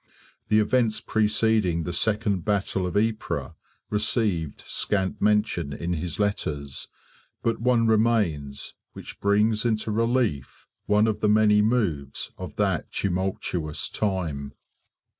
The events preceding the second battle of Ypres received scant mention in his letters; but one remains, which brings into relief one of the many moves of that tumultuous time.